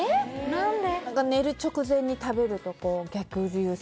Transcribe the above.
何で？